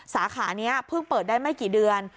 สาขานี้เพิ่งเปิดได้ไม่กี่เดือน